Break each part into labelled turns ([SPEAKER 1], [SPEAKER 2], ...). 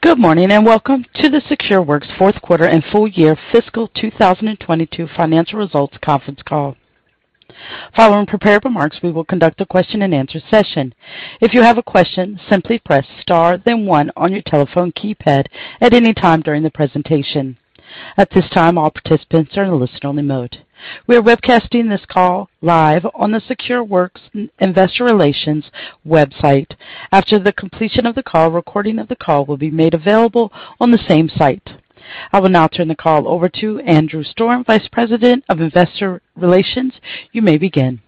[SPEAKER 1] Good morning, and welcome to the SecureWorks fourth quarter and full year fiscal 2022 financial results conference call. Following prepared remarks, we will conduct a question-and-answer session. If you have a question, simply press star then one on your telephone keypad at any time during the presentation. At this time, all participants are in a listen-only mode. We are webcasting this call live on the SecureWorks investor relations website. After the completion of the call, a recording of the call will be made available on the same site. I will now turn the call over to Andrew Storm, Vice President of Investor Relations. You may begin.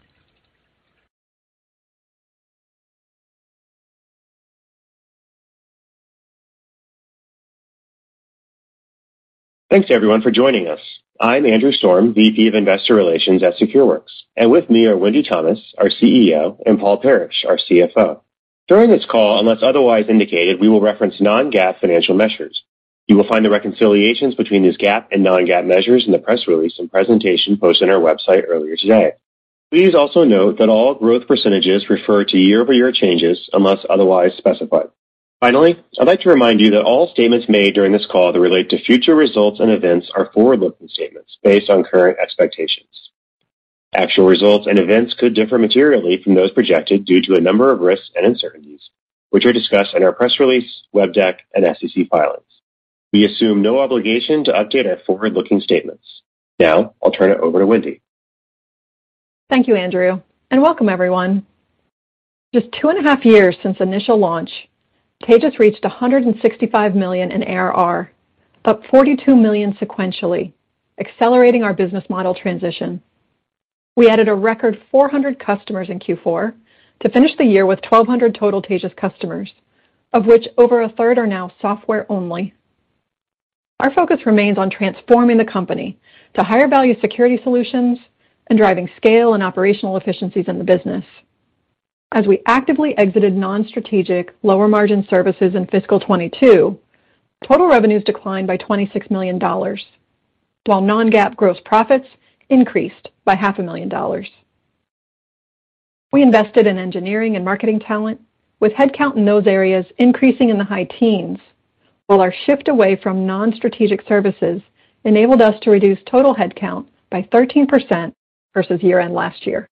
[SPEAKER 2] Thanks, everyone, for joining us. I'm Andrew Storm, VP of Investor Relations at SecureWorks, and with me are Wendy Thomas, our CEO, and Paul Parrish, our CFO. During this call, unless otherwise indicated, we will reference non-GAAP financial measures. You will find the reconciliations between these GAAP and non-GAAP measures in the press release and presentation posted on our website earlier today. Please also note that all growth percentages refer to year-over-year changes unless otherwise specified. Finally, I'd like to remind you that all statements made during this call that relate to future results and events are forward-looking statements based on current expectations. Actual results and events could differ materially from those projected due to a number of risks and uncertainties, which are discussed in our press release, web deck, and SEC filings. We assume no obligation to update our forward-looking statements. Now, I'll turn it over to Wendy.
[SPEAKER 3] Thank you, Andrew, and welcome everyone. Just 2.5 Years since initial launch, Taegis reached $165 million in ARR, up $42 million sequentially, accelerating our business model transition. We added a record 400 customers in Q4 to finish the year with 1,200 total Taegis customers, of which over a third are now software only. Our focus remains on transforming the company to higher-value security solutions and driving scale and operational efficiencies in the business. As we actively exited non-strategic lower margin services in fiscal 2022, total revenues declined by $26 million, while non-GAAP gross profits increased by $500,000. We invested in engineering and marketing talent with headcount in those areas increasing in the high teens, while our shift away from non-strategic services enabled us to reduce total headcount by 13% versus year-end last year.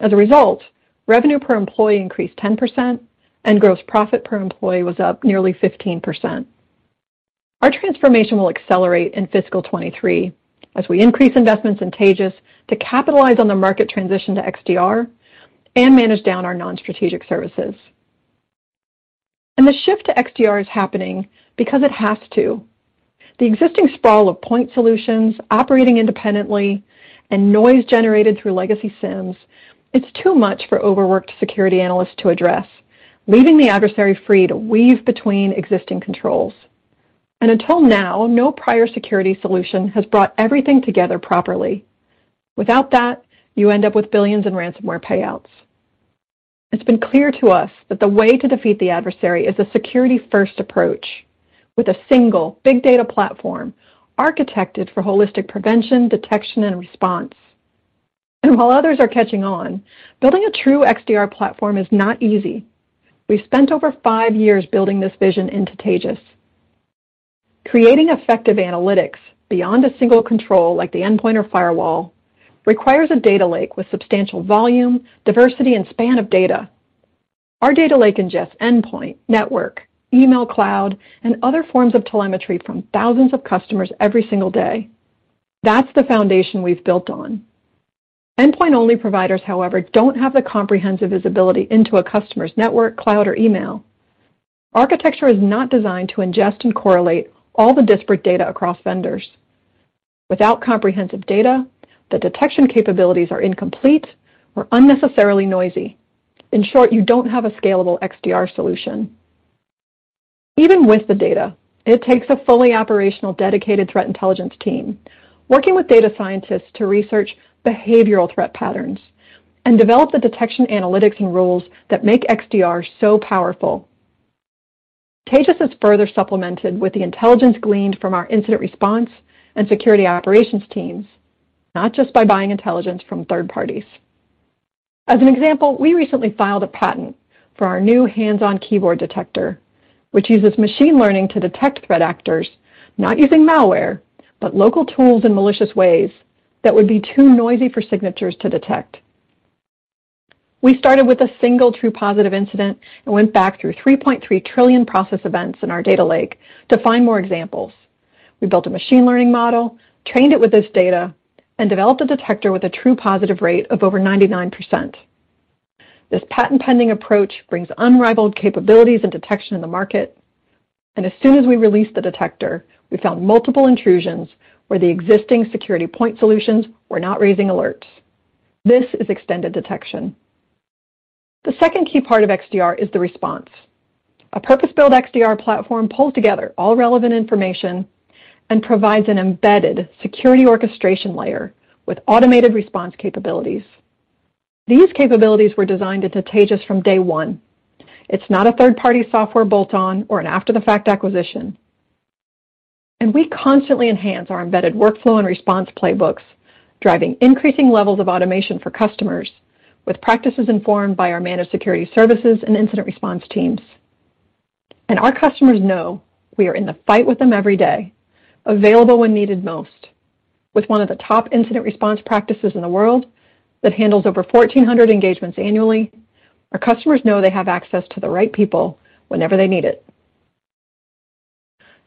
[SPEAKER 3] As a result, revenue per employee increased 10% and gross profit per employee was up nearly 15%. Our transformation will accelerate in fiscal 2023 as we increase investments in Taegis to capitalize on the market transition to XDR and manage down our non-strategic services. The shift to XDR is happening because it has to. The existing sprawl of point solutions operating independently and noise generated through legacy SIEMs, it's too much for overworked security analysts to address, leaving the adversary free to weave between existing controls. Until now, no prior security solution has brought everything together properly. Without that, you end up with billions in ransomware payouts. It's been clear to us that the way to defeat the adversary is a security-first approach with a single big data platform architected for holistic prevention, detection, and response. While others are catching on, building a true XDR platform is not easy. We've spent over five years building this vision into Taegis. Creating effective analytics beyond a single control, like the endpoint or firewall, requires a data lake with substantial volume, diversity, and span of data. Our data lake ingests endpoint, network, email, cloud, and other forms of telemetry from thousands of customers every single day. That's the foundation we've built on. Endpoint-only providers, however, don't have the comprehensive visibility into a customer's network, cloud, or email. Architecture is not designed to ingest and correlate all the disparate data across vendors. Without comprehensive data, the detection capabilities are incomplete or unnecessarily noisy. In short, you don't have a scalable XDR solution. Even with the data, it takes a fully operational, dedicated threat intelligence team working with data scientists to research behavioral threat patterns and develop the detection analytics and rules that make XDR so powerful. Taegis is further supplemented with the intelligence gleaned from our incident response and security operations teams, not just by buying intelligence from third parties. As an example, we recently filed a patent for our new hands-on keyboard detector, which uses machine learning to detect threat actors, not using malware, but local tools in malicious ways that would be too noisy for signatures to detect. We started with a single true positive incident and went back through 3.3 trillion process events in our data lake to find more examples. We built a machine learning model, trained it with this data, and developed a detector with a true positive rate of over 99%. This patent-pending approach brings unrivaled capabilities and detection in the market. As soon as we released the detector, we found multiple intrusions where the existing security point solutions were not raising alerts. This is extended detection. The second key part of XDR is the response. A purpose-built XDR platform pulls together all relevant information and provides an embedded security orchestration layer with automated response capabilities. These capabilities were designed into Taegis from day one. It's not a third-party software bolt-on or an after-the-fact acquisition. We constantly enhance our embedded workflow and response playbooks, driving increasing levels of automation for customers with practices informed by our managed security services and incident response teams. Our customers know we are in the fight with them every day, available when needed most. With one of the top incident response practices in the world that handles over 1,400 engagements annually, our customers know they have access to the right people whenever they need it.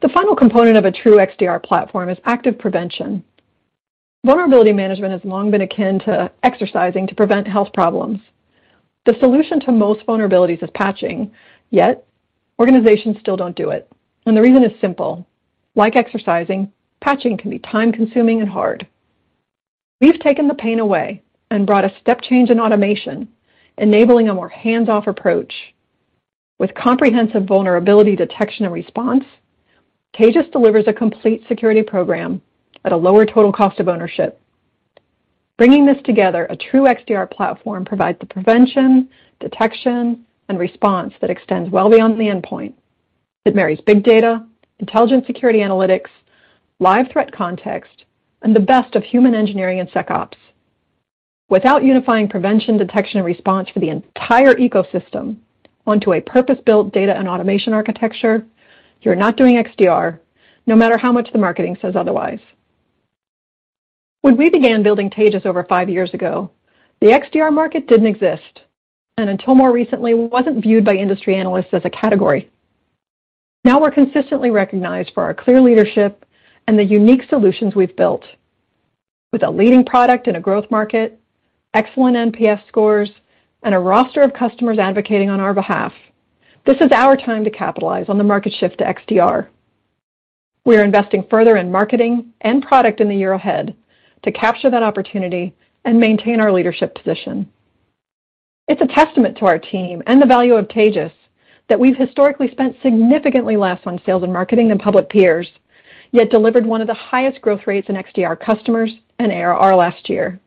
[SPEAKER 3] The final component of a true XDR platform is active prevention. Vulnerability management has long been akin to exercising to prevent health problems. The solution to most vulnerabilities is patching, yet organizations still don't do it. The reason is simple, like exercising, patching can be time-consuming and hard. We've taken the pain away and brought a step change in automation, enabling a more hands-off approach. With comprehensive vulnerability detection and response, Taegis delivers a complete security program at a lower total cost of ownership. Bringing this together, a true XDR platform provides the prevention, detection, and response that extends well beyond the endpoint. It marries big data, intelligent security analytics, live threat context, and the best of human engineering and SecOps. Without unifying prevention, detection, and response for the entire ecosystem onto a purpose-built data and automation architecture, you're not doing XDR, no matter how much the marketing says otherwise. When we began building Taegis over five years ago, the XDR market didn't exist, and until more recently, wasn't viewed by industry analysts as a category. Now we're consistently recognized for our clear leadership and the unique solutions we've built. With a leading product in a growth market, excellent NPS scores, and a roster of customers advocating on our behalf, this is our time to capitalize on the market shift to XDR. We are investing further in marketing and product in the year ahead to capture that opportunity and maintain our leadership position. It's a testament to our team and the value of Taegis that we've historically spent significantly less on sales and marketing than public peers, yet delivered one of the highest growth rates in XDR customers and ARR last year.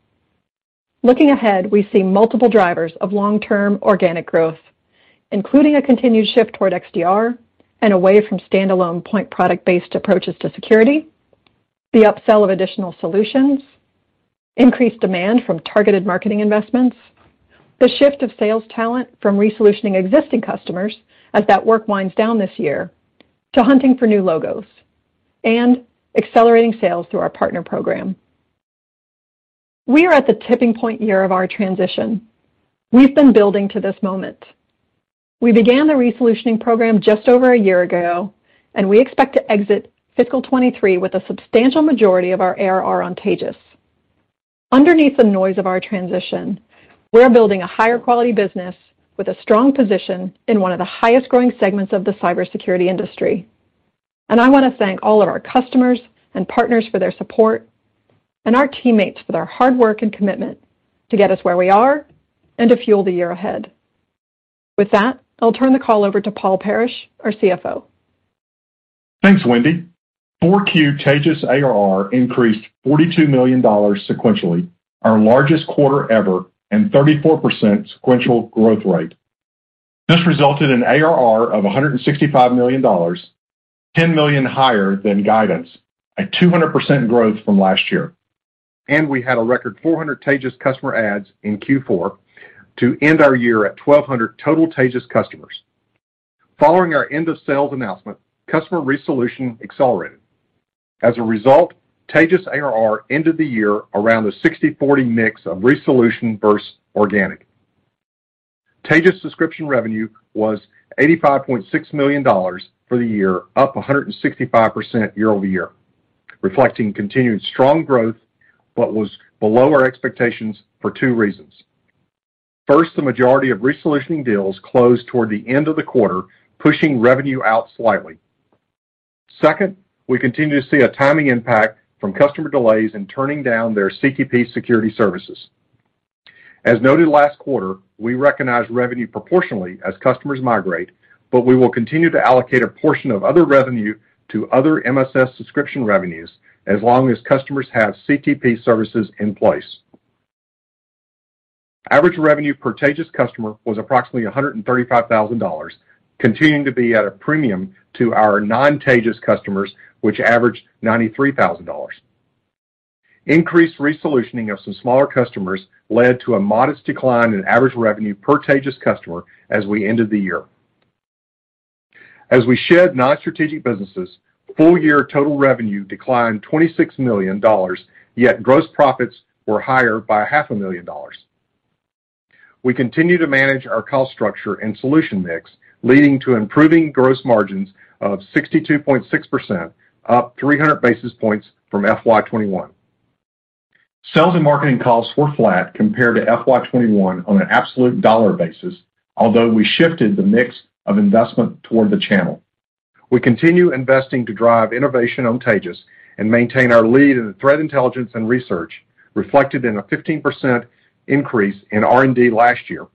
[SPEAKER 3] Looking ahead, we see multiple drivers of long-term organic growth, including a continued shift toward XDR and away from standalone point product-based approaches to security, the upsell of additional solutions, increased demand from targeted marketing investments, the shift of sales talent from re-solutioning existing customers as that work winds down this year to hunting for new logos, and accelerating sales through our partner program. We are at the tipping point year of our transition. We've been building to this moment. We began the re-solutioning program just over a year ago, and we expect to exit fiscal 2023 with a substantial majority of our ARR on Taegis. Underneath the noise of our transition, we're building a higher quality business with a strong position in one of the highest growing segments of the cybersecurity industry. I want to thank all of our customers and partners for their support and our teammates for their hard work and commitment to get us where we are and to fuel the year ahead. With that, I'll turn the call over to Paul Parrish, our CFO.
[SPEAKER 4] Thanks, Wendy. 4Q Taegis ARR increased $42 million sequentially, our largest quarter ever and 34% sequential growth rate. This resulted in ARR of $165 million, $10 million higher than guidance at 200% growth from last year. We had a record 400 Taegis customer adds in Q4 to end our year at 1,200 total Taegis customers. Following our end of sales announcement, customer re-solution accelerated. As a result, Taegis ARR ended the year around the 60/40 mix of re-solution versus organic. Taegis subscription revenue was $85.6 million for the year, up 165% year-over-year, reflecting continued strong growth but was below our expectations for two reasons. First, the majority of re-solutioning deals closed toward the end of the quarter, pushing revenue out slightly. Second, we continue to see a timing impact from customer delays in turning down their CTP security services. As noted last quarter, we recognize revenue proportionally as customers migrate, but we will continue to allocate a portion of other revenue to other MSS subscription revenues as long as customers have CTP services in place. Average revenue per Taegis customer was approximately $135,000, continuing to be at a premium to our non-Taegis customers, which averaged $93,000. Increased right-sizing of some smaller customers led to a modest decline in average revenue per Taegis customer as we ended the year. As we shed non-strategic businesses, full year total revenue declined $26 million, yet gross profits were higher by $500,000. We continue to manage our cost structure and solution mix, leading to improving gross margins of 62.6%, up 300 basis points from FY 2021. Sales and marketing costs were flat compared to FY 2021 on an absolute dollar basis, although we shifted the mix of investment toward the channel. We continue investing to drive innovation on Taegis and maintain our lead in threat intelligence and research, reflected in a 15% increase in R&D last year.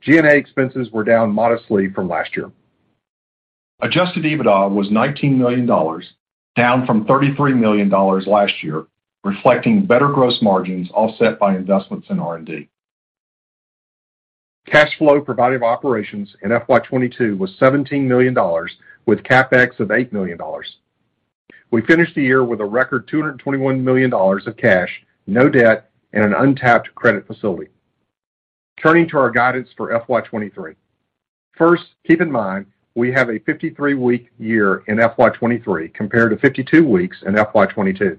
[SPEAKER 4] G&A expenses were down modestly from last year. Adjusted EBITDA was $19 million, down from $33 million last year, reflecting better gross margins offset by investments in R&D. Cash flow provided by operations in FY 2022 was $17 million with CapEx of $8 million. We finished the year with a record $221 million of cash, no debt, and an untapped credit facility. Turning to our guidance for FY 2023. First, keep in mind, we have a 53-week year in FY 2023 compared to 52 weeks in FY 2022.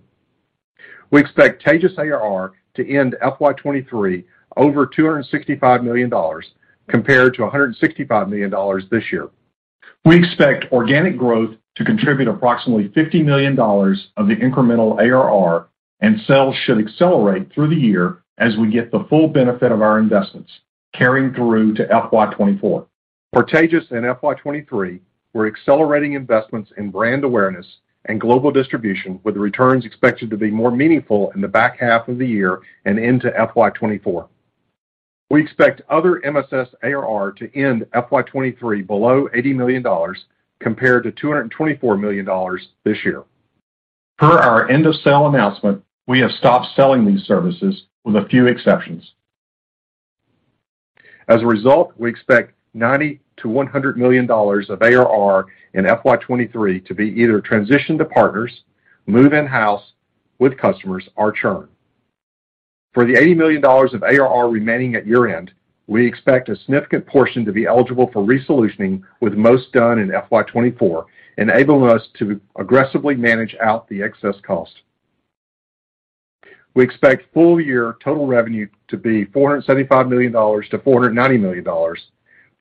[SPEAKER 4] We expect Taegis ARR to end FY 2023 over $265 million compared to $165 million this year. We expect organic growth to contribute approximately $50 million of the incremental ARR, and sales should accelerate through the year as we get the full benefit of our investments carrying through to FY 2024. For Taegis in FY 2023, we're accelerating investments in brand awareness and global distribution, with returns expected to be more meaningful in the back half of the year and into FY 2024. We expect other MSS ARR to end FY 2023 below $80 million compared to $224 million this year. Per our end of sale announcement, we have stopped selling these services with a few exceptions. As a result, we expect $90 million-$100 million of ARR in FY 2023 to be either transitioned to partners, move in-house with customers or churn. For the $80 million of ARR remaining at year-end, we expect a significant portion to be eligible for re-solutioning, with most done in FY 2024, enabling us to aggressively manage out the excess cost. We expect full-year total revenue to be $475 million-$490 million,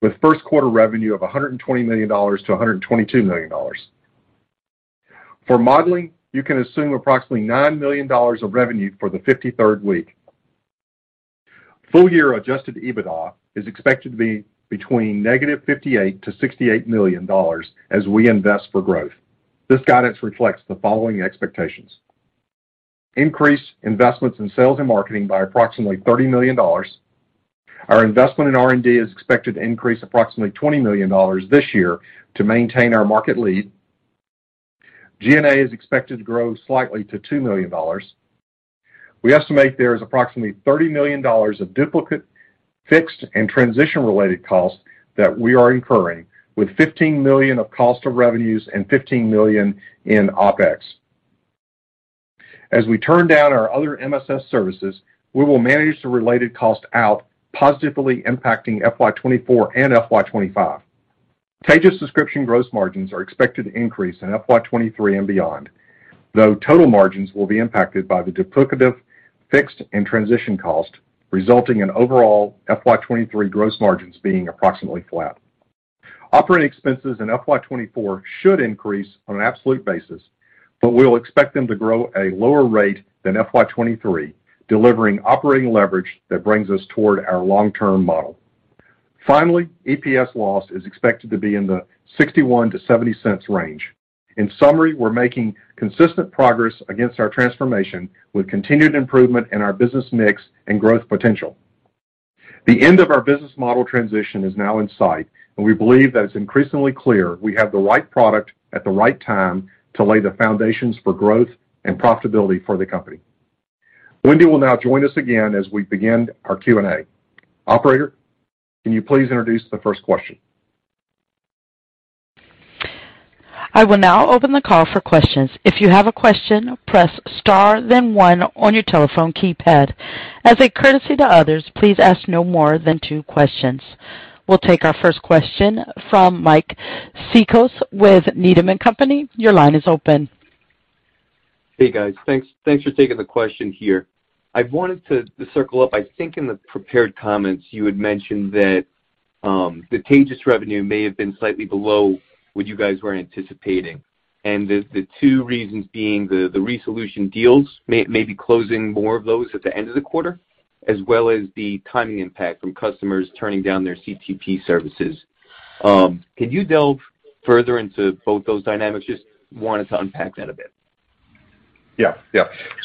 [SPEAKER 4] with first quarter revenue of $120 million-$122 million. For modeling, you can assume approximately $9 million of revenue for the 53rd week. Full-year Adjusted EBITDA is expected to be between -$58 million and -$68 million as we invest for growth. This guidance reflects the following expectations. Increase investments in sales and marketing by approximately $30 million. Our investment in R&D is expected to increase approximately $20 million this year to maintain our market lead. G&A is expected to grow slightly to $2 million. We estimate there is approximately $30 million of duplicate fixed and transition-related costs that we are incurring, with $15 million of cost of revenues and $15 million in OpEx. As we turn down our other MSS services, we will manage the related cost out, positively impacting FY 2024 and FY 2025. Taegis subscription gross margins are expected to increase in FY 2023 and beyond. Though total margins will be impacted by the duplicative fixed and transition cost, resulting in overall FY 2023 gross margins being approximately flat. Operating expenses in FY 2024 should increase on an absolute basis, but we'll expect them to grow at a lower rate than FY 2023, delivering operating leverage that brings us toward our long-term model. Finally, EPS loss is expected to be in the $0.61-$0.70 range. In summary, we're making consistent progress against our transformation with continued improvement in our business mix and growth potential. The end of our business model transition is now in sight, and we believe that it's increasingly clear we have the right product at the right time to lay the foundations for growth and profitability for the company. Wendy will now join us again as we begin our Q&A. Operator, can you please introduce the first question?
[SPEAKER 1] I will now open the call for questions. If you have a question, press star then one on your telephone keypad. As a courtesy to others, please ask no more than two questions. We'll take our first question from Mike Cikos with Needham & Company. Your line is open.
[SPEAKER 5] Hey, guys. Thanks for taking the question here. I wanted to circle up. I think in the prepared comments you had mentioned that the Taegis revenue may have been slightly below what you guys were anticipating. The two reasons being the re-solution deals may be closing more of those at the end of the quarter, as well as the timing impact from customers turning down their CTP services. Can you delve further into both those dynamics? Just wanted to unpack that a bit.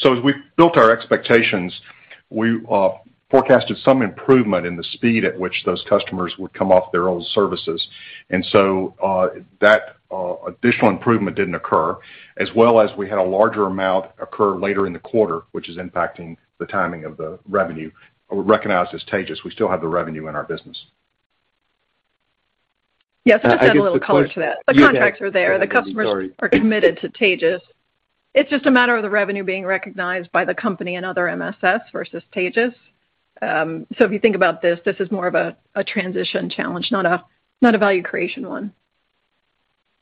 [SPEAKER 4] As we built our expectations, we forecasted some improvement in the speed at which those customers would come off their old services. That additional improvement didn't occur, as well as we had a larger amount occur later in the quarter, which is impacting the timing of the revenue we recognize as Taegis. We still have the revenue in our business.
[SPEAKER 3] Yes, I'll just add a little color to that.
[SPEAKER 4] Yeah.
[SPEAKER 3] The contracts are there. The customers.
[SPEAKER 4] Sorry
[SPEAKER 3] Are committed to Taegis. It's just a matter of the revenue being recognized by the company and other MSS versus Taegis. If you think about this is more of a transition challenge, not a value creation one.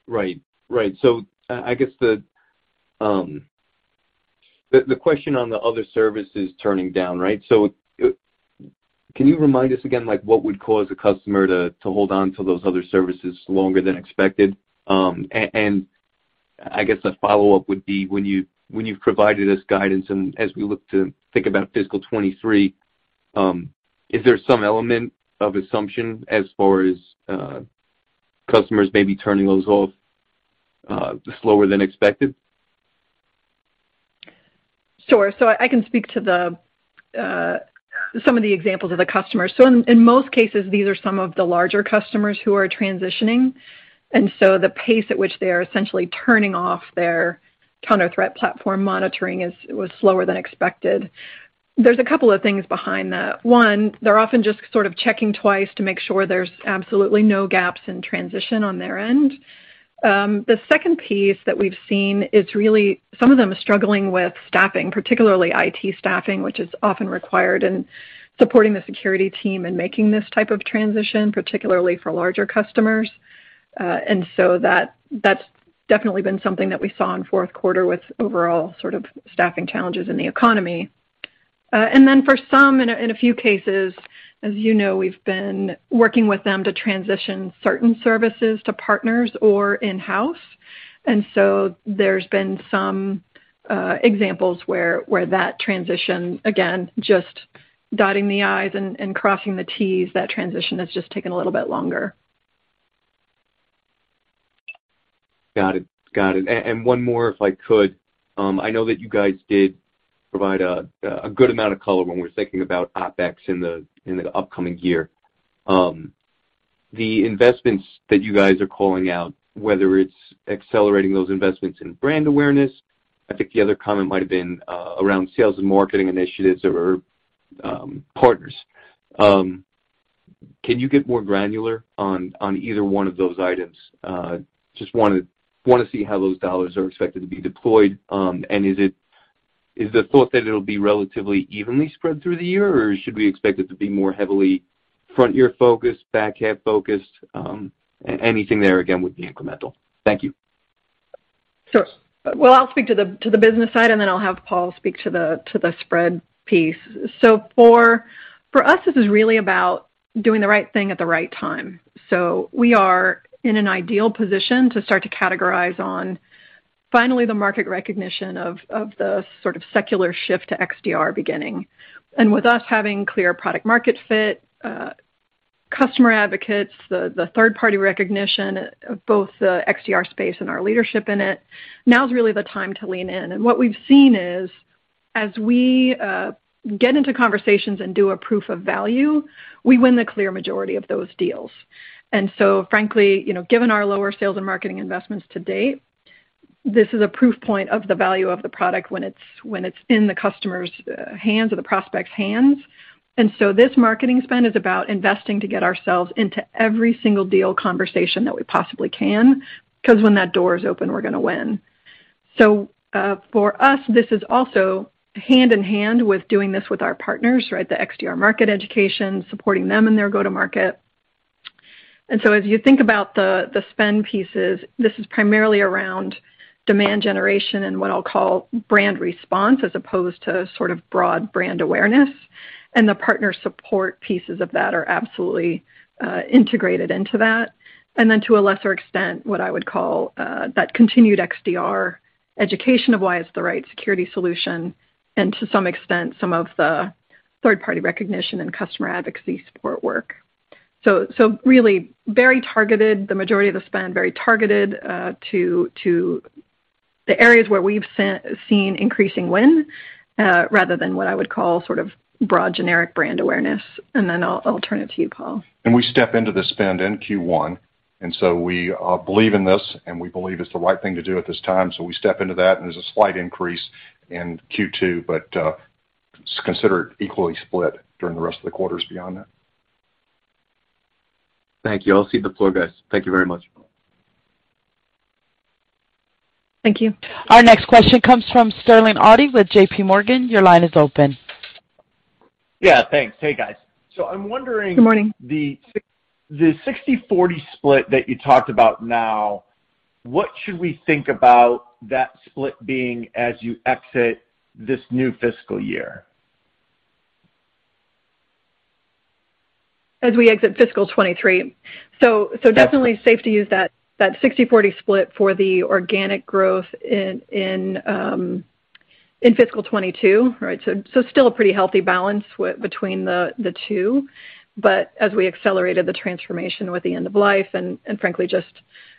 [SPEAKER 5] Right. I guess the question on the other service is turning down, right? Can you remind us again, like what would cause a customer to hold on to those other services longer than expected? I guess a follow-up would be when you've provided us guidance and as we look to think about fiscal 2023, is there some element of assumption as far as customers maybe turning those off slower than expected?
[SPEAKER 3] Sure. I can speak to some of the examples of the customers. In most cases, these are some of the larger customers who are transitioning. The pace at which they are essentially turning off their counter threat platform monitoring was slower than expected. There's a couple of things behind that. One, they're often just sort of checking twice to make sure there's absolutely no gaps in transition on their end. The second piece that we've seen is really some of them are struggling with staffing, particularly IT staffing, which is often required in supporting the security team in making this type of transition, particularly for larger customers. That's definitely been something that we saw in fourth quarter with overall sort of staffing challenges in the economy. For some, in a few cases, as you know, we've been working with them to transition certain services to partners or in-house. There's been some examples where that transition, again, just dotting the I's and crossing the T's, that transition has just taken a little bit longer.
[SPEAKER 5] Got it. One more, if I could. I know that you guys did provide a good amount of color when we're thinking about OpEx in the upcoming year. The investments that you guys are calling out, whether it's accelerating those investments in brand awareness, I think the other comment might have been around sales and marketing initiatives or partners. Can you get more granular on either one of those items? Just wanna see how those dollars are expected to be deployed. Is it the thought that it'll be relatively evenly spread through the year, or should we expect it to be more heavily front year-focused, back half-focused? Anything there, again, would be incremental. Thank you.
[SPEAKER 3] Sure. Well, I'll speak to the business side, and then I'll have Paul speak to the spread piece. For us, this is really about doing the right thing at the right time. We are in an ideal position to capitalize on the market recognition of the secular shift to XDR beginning. With us having clear product market fit, customer advocates, the third-party recognition of both the XDR space and our leadership in it, now is really the time to lean in. What we've seen is, as we get into conversations and do a proof of value, we win the clear majority of those deals. Frankly, you know, given our lower sales and marketing investments to date, this is a proof point of the value of the product when it's in the customer's hands or the prospect's hands. This marketing spend is about investing to get ourselves into every single deal conversation that we possibly can, 'cause when that door is open, we're gonna win. For us, this is also hand in hand with doing this with our partners, right, the XDR market education, supporting them in their go-to market. As you think about the spend pieces, this is primarily around demand generation and what I'll call brand response as opposed to sort of broad brand awareness. The partner support pieces of that are absolutely integrated into that. Then to a lesser extent, what I would call that continued XDR education of why it's the right security solution, and to some extent, some of the third-party recognition and customer advocacy support work. So really very targeted. The majority of the spend, very targeted, to the areas where we've seen increasing win, rather than what I would call sort of broad generic brand awareness. Then I'll turn it to you, Paul.
[SPEAKER 4] We step into the spend in Q1, and so we believe in this, and we believe it's the right thing to do at this time. We step into that, and there's a slight increase in Q2, but it's considered equally split during the rest of the quarters beyond that.
[SPEAKER 5] Thank you. I'll cede the floor, guys. Thank you very much.
[SPEAKER 3] Thank you.
[SPEAKER 1] Our next question comes from Sterling Auty with JPMorgan Your line is open.
[SPEAKER 6] Yeah, thanks. Hey, guys. I'm wondering.
[SPEAKER 3] Good morning.
[SPEAKER 6] The 60/40 split that you talked about now, what should we think about that split being as you exit this new fiscal year?
[SPEAKER 3] As we exit fiscal 2023.
[SPEAKER 6] Yes.
[SPEAKER 3] Definitely safe to use that 60/40 split for the organic growth in fiscal 2022, right? Still a pretty healthy balance between the two. As we accelerated the transformation with the end of life and frankly just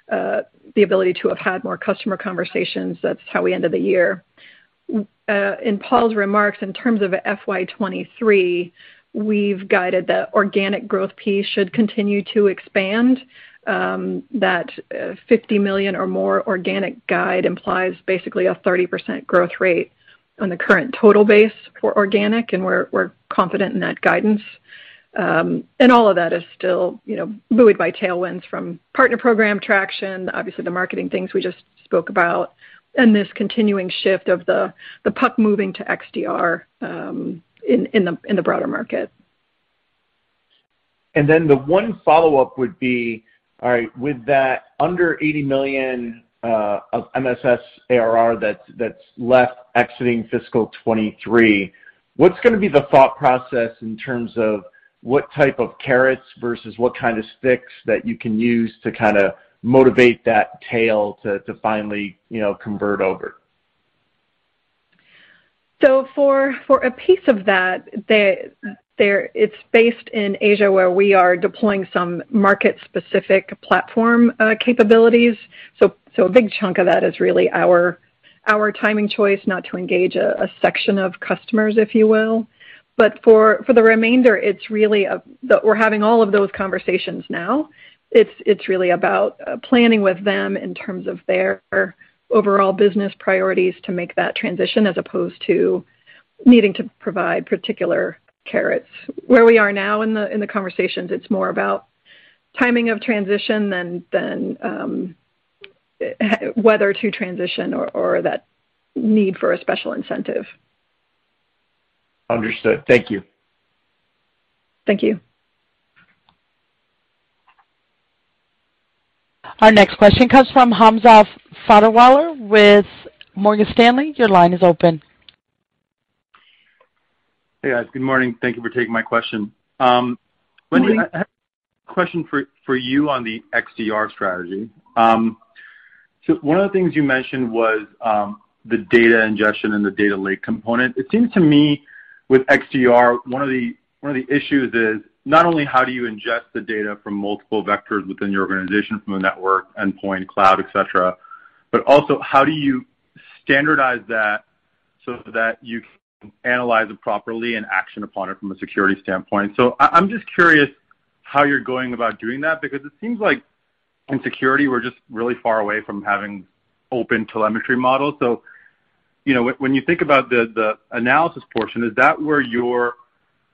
[SPEAKER 3] the ability to have had more customer conversations, that's how we ended the year. In Paul's remarks, in terms of FY 2023, we've guided the organic growth piece should continue to expand. That $50 million or more organic guide implies basically a 30% growth rate on the current total base for organic, and we're confident in that guidance. All of that is still, you know, buoyed by tailwinds from partner program traction, obviously the marketing things we just spoke about, and this continuing shift of the puck moving to XDR, in the broader market.
[SPEAKER 6] The one follow-up would be, all right, with that under $80 million of MSS ARR that's left exiting fiscal 2023, what's gonna be the thought process in terms of what type of carrots versus what kind of sticks that you can use to kinda motivate that tail to finally, you know, convert over?
[SPEAKER 3] For a piece of that, it's based in Asia where we are deploying some market-specific platform capabilities. A big chunk of that is really our timing choice not to engage a section of customers, if you will. For the remainder, we're having all of those conversations now. It's really about planning with them in terms of their overall business priorities to make that transition as opposed to needing to provide particular carrots. Where we are now in the conversations, it's more about timing of transition than whether to transition or that need for a special incentive.
[SPEAKER 6] Understood. Thank you.
[SPEAKER 3] Thank you.
[SPEAKER 1] Our next question comes from Hamza Fodderwala with Morgan Stanley. Your line is open.
[SPEAKER 7] Hey, guys. Good morning. Thank you for taking my question. Wendy.
[SPEAKER 3] Good morning.
[SPEAKER 7] I have a question for you on the XDR strategy. One of the things you mentioned was the data ingestion and the data lake component. It seems to me with XDR, one of the issues is not only how do you ingest the data from multiple vectors within your organization from a network, endpoint, cloud, et cetera, but also how do you standardize that so that you can analyze it properly and action upon it from a security standpoint? I'm just curious how you're going about doing that, because it seems like in security, we're just really far away from having open telemetry models. You know, when you think about the analysis portion, is that where your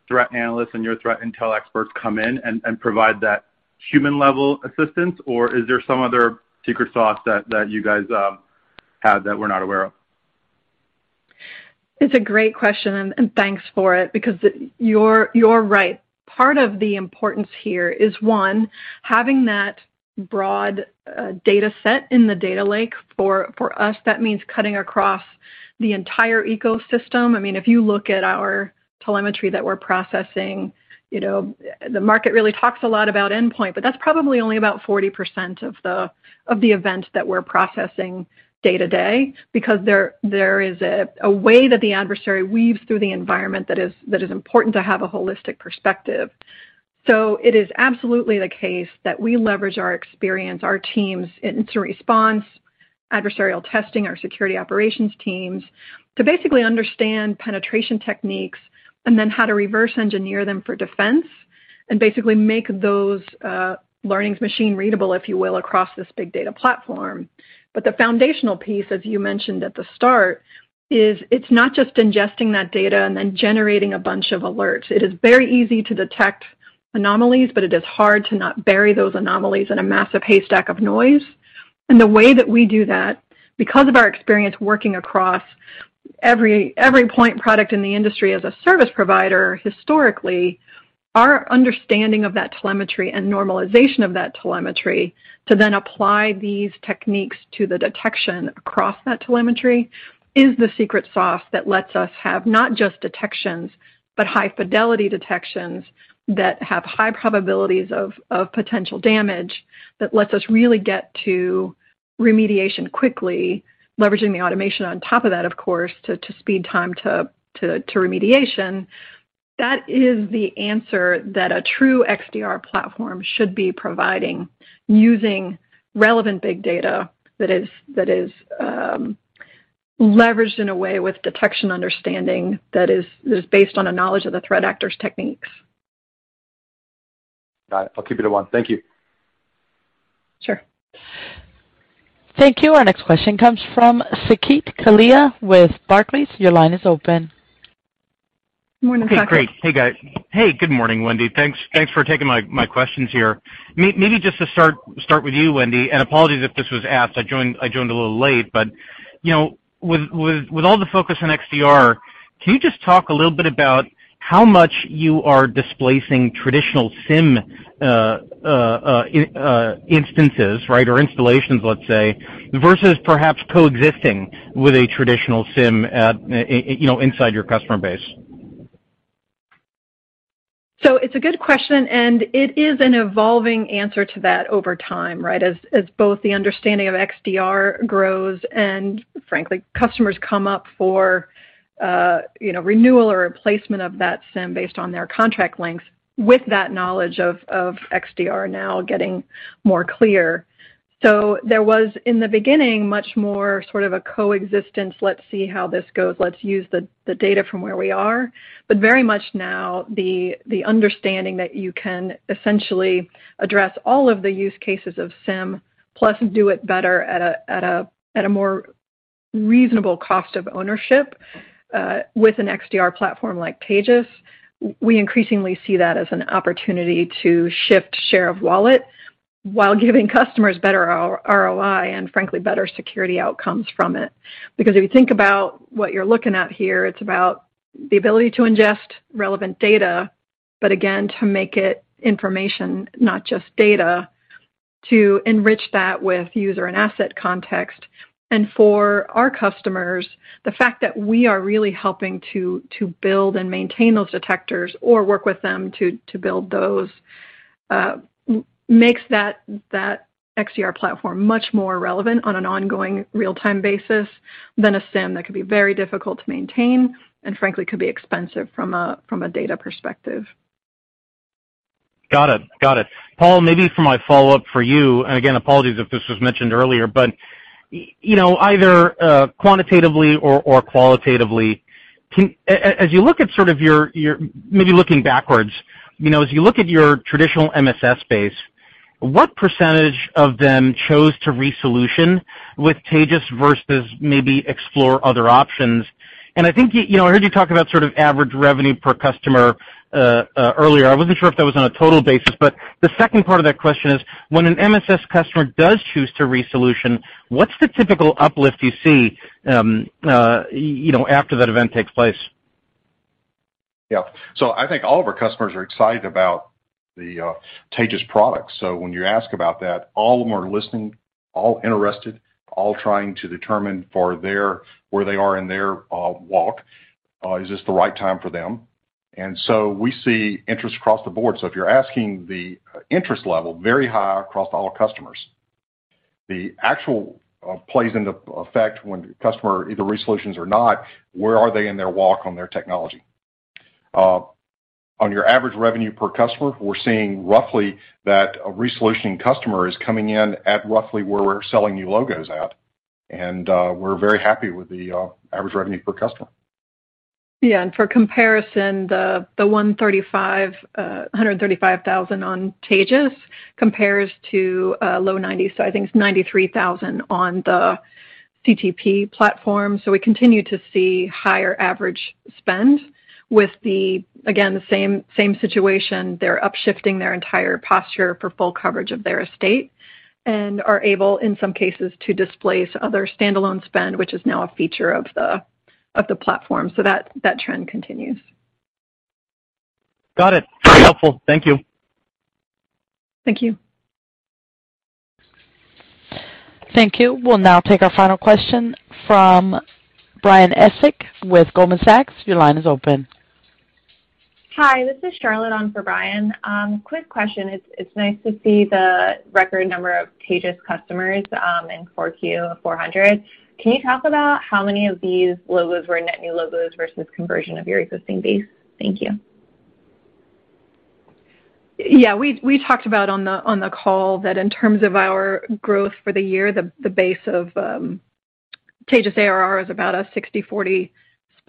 [SPEAKER 7] threat analysts and your threat intel experts come in and provide that human-level assistance, or is there some other secret sauce that you guys have that we're not aware of?
[SPEAKER 3] It's a great question, and thanks for it because you're right. Part of the importance here is, one, having that broad data set in the data lake. For us, that means cutting across the entire ecosystem. I mean, if you look at our telemetry that we're processing, you know, the market really talks a lot about endpoint, but that's probably only about 40% of the events that we're processing day to day because there is a way that the adversary weaves through the environment that is important to have a holistic perspective. It is absolutely the case that we leverage our experience, our teams, incident response, adversarial testing, our security operations teams to basically understand penetration techniques and then how to reverse engineer them for defense and basically make those, learnings machine readable, if you will, across this big data platform. The foundational piece, as you mentioned at the start, is it's not just ingesting that data and then generating a bunch of alerts. It is very easy to detect anomalies, but it is hard to not bury those anomalies in a massive haystack of noise. The way that we do that, because of our experience working across every point product in the industry as a service provider, historically, our understanding of that telemetry and normalization of that telemetry to then apply these techniques to the detection across that telemetry is the secret sauce that lets us have not just detections, but high-fidelity detections that have high probabilities of potential damage that lets us really get to remediation quickly, leveraging the automation on top of that, of course, to speed time to remediation. That is the answer that a true XDR platform should be providing using relevant big data that is leveraged in a way with detection understanding that is based on a knowledge of the threat actor's techniques.
[SPEAKER 7] Got it. I'll keep it at one. Thank you.
[SPEAKER 3] Sure.
[SPEAKER 1] Thank you. Our next question comes from Saket Kalia with Barclays. Your line is open.
[SPEAKER 3] Morning, Saket.
[SPEAKER 8] Okay, great. Hey, guys. Hey, good morning, Wendy. Thanks for taking my questions here. Maybe just to start with you, Wendy, and apologies if this was asked. I joined a little late, but you know, with all the focus on XDR, can you just talk a little bit about how much you are displacing traditional SIEM instances, right? Or installations, let's say, versus perhaps coexisting with a traditional SIEM at you know, inside your customer base?
[SPEAKER 3] It's a good question, and it is an evolving answer to that over time, right? As both the understanding of XDR grows and frankly, customers come up for, you know, renewal or replacement of that SIEM based on their contract length with that knowledge of XDR now getting more clear. There was, in the beginning, much more sort of a coexistence, let's see how this goes, let's use the data from where we are. Very much now the understanding that you can essentially address all of the use cases of SIEM plus do it better at a more reasonable cost of ownership with an XDR platform like Taegis. We increasingly see that as an opportunity to shift share of wallet while giving customers better ROI and frankly, better security outcomes from it. Because if you think about what you're looking at here, it's about the ability to ingest relevant data, but again, to make it information, not just data, to enrich that with user and asset context. For our customers, the fact that we are really helping to build and maintain those detectors or work with them to build those makes that XDR platform much more relevant on an ongoing real-time basis than a SIEM that can be very difficult to maintain and frankly, could be expensive from a data perspective.
[SPEAKER 8] Got it. Paul, maybe for my follow-up for you, and again, apologies if this was mentioned earlier, but you know, either quantitatively or qualitatively, can as you look at sort of your maybe looking backwards, you know, as you look at your traditional MSS base, what percentage of them chose to re-solution with Taegis versus maybe explore other options? I think you know, I heard you talk about sort of average revenue per customer earlier. I wasn't sure if that was on a total basis. The second part of that question is, when an MSS customer does choose to re-solution, what's the typical uplift you see you know, after that event takes place?
[SPEAKER 4] Yeah. I think all of our customers are excited about the Taegis products. When you ask about that, all of them are listening, all interested, all trying to determine where they are in their walk, is this the right time for them? We see interest across the board. If you're asking the interest level, very high across all customers. The actual plays into effect when customer either renews or not, where are they in their walk on their technology? On your average revenue per customer, we're seeing roughly that a renewal customer is coming in at roughly where we're selling new logos at, and we're very happy with the average revenue per customer.
[SPEAKER 3] Yeah. For comparison, the 135,000 on Taegis compares to low 90s. I think it's 93,000 on the CTP platform. We continue to see higher average spend with the, again, the same situation. They're upshifting their entire posture for full coverage of their estate and are able, in some cases, to displace other standalone spend, which is now a feature of the platform. That trend continues.
[SPEAKER 8] Got it. Very helpful. Thank you.
[SPEAKER 3] Thank you.
[SPEAKER 1] Thank you. We'll now take our final question from Brian Essex with Goldman Sachs. Your line is open.
[SPEAKER 9] Hi, this is Charlotte on for Brian. Quick question. It's nice to see the record number of Taegis customers in Q4, 400. Can you talk about how many of these logos were net new logos versus conversion of your existing base? Thank you.
[SPEAKER 3] Yeah. We talked about on the call that in terms of our growth for the year, the base of Taegis ARR is about a 60/40 split.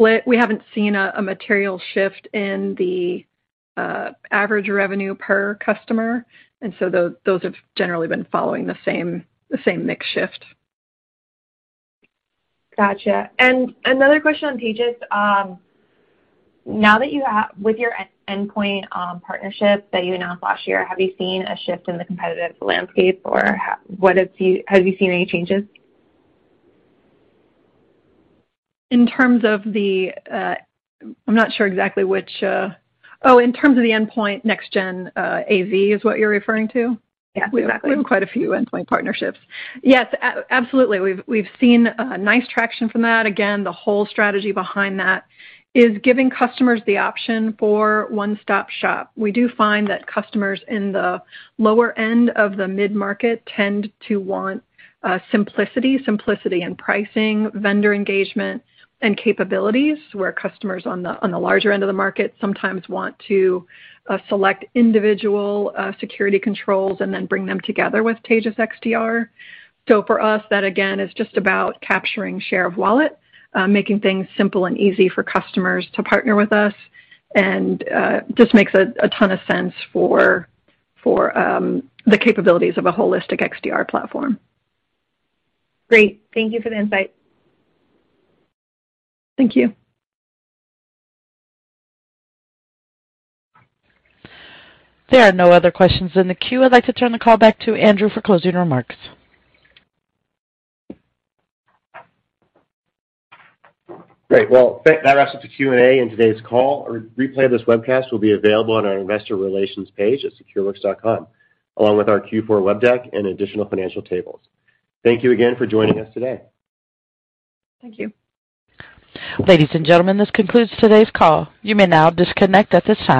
[SPEAKER 3] We haven't seen a material shift in the average revenue per customer, and so those have generally been following the same mix shift.
[SPEAKER 9] Gotcha. Another question on Taegis. With your endpoint partnership that you announced last year, have you seen a shift in the competitive landscape or have you seen any changes?
[SPEAKER 3] In terms of the endpoint next-gen AV, is what you're referring to?
[SPEAKER 9] Yes, exactly.
[SPEAKER 3] We have quite a few endpoint partnerships. Yes, absolutely. We've seen a nice traction from that. Again, the whole strategy behind that is giving customers the option for one-stop shop. We do find that customers in the lower end of the mid-market tend to want simplicity in pricing, vendor engagement, and capabilities, where customers on the larger end of the market sometimes want to select individual security controls and then bring them together with Taegis XDR. For us, that again is just about capturing share of wallet, making things simple and easy for customers to partner with us, and just makes a ton of sense for the capabilities of a holistic XDR platform.
[SPEAKER 9] Great. Thank you for the insight.
[SPEAKER 3] Thank you.
[SPEAKER 1] There are no other questions in the queue. I'd like to turn the call back to Andrew for closing remarks.
[SPEAKER 2] Great. Well, that wraps up the Q&A in today's call. A replay of this webcast will be available on our investor relations page at secureworks.com, along with our Q4 web deck and additional financial tables. Thank you again for joining us today.
[SPEAKER 3] Thank you.
[SPEAKER 1] Ladies and gentlemen, this concludes today's call. You may now disconnect at this time.